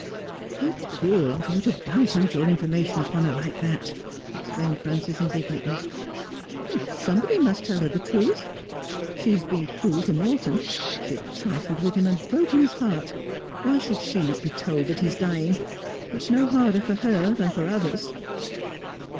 ' How cruel of you to bounce out your information upon her like that !' exclaimed Frances indignantly. ' Somebody must tell her the truth. She has been cruel to Morton. She has trifled with him and broken his heart. "Why should she not be told that he is dying 1 It is no harder for her than for others.'